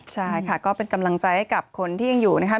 ใช่ค่ะก็เป็นกำลังใจให้กับคนที่ยังอยู่นะครับ